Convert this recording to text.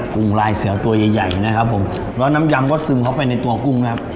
กุ้งลายเสือตัวใหญ่ใหญ่นะครับผมแล้วน้ำยำก็ซึมเข้าไปในตัวกุ้งนะครับ